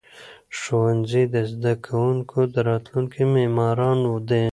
ښوونکي د زده کوونکو د راتلونکي معماران دي.